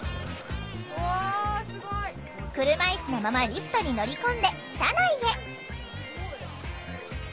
車いすのままリフトに乗り込んで車内へ。